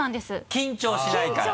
緊張しないから。